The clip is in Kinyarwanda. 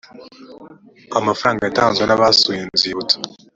amafaranga yatanzwe n abasuye inzibutso